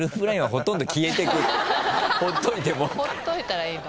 ほっといたらいいの？